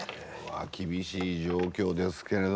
厳しい状況ですけれども。